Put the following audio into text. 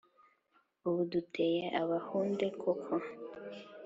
Ubwo duteye Abahunde koko